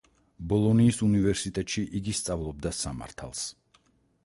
ბოლონიის უნივერსიტეტში იგი სწავლობდა სამართალს.